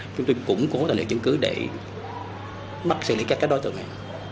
chúng tôi cũng cố tạo được chứng cứ để mắc xử lý các đối tượng này